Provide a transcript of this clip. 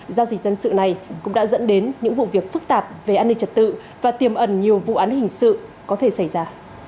giao dịch dân sự này cũng đã dẫn đến những vụ việc phức tạp về an ninh trật tự và tiềm ẩn nhiều vụ án hình sự có thể xảy ra